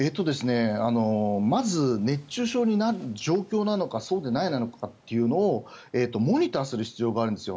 まず、熱中症になる状況なのかそうでないのかというのをモニターする必要があるんです。